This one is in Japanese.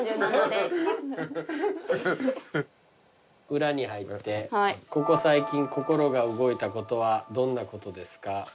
裏に入って「ここ最近心が動いたことはどんなことですか？」